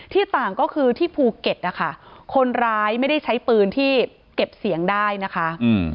ที่ต่างก็คือที่ภูเก็ตนะคะคนร้ายไม่ได้ใช้ปืนที่เก็บเสียงได้นะคะ